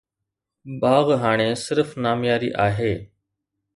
باغ هاڻي صرف نامياري آهي.